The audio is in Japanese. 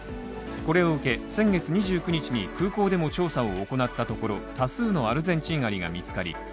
これを受け、先月２９日に空港でも調査を行ったところ多数のアルゼンチンアリが見つかり